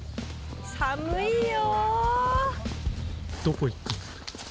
「寒いよ」